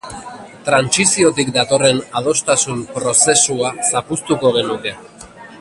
Trantsiziotik datorren adostasun prozesua zapuztuko genuke.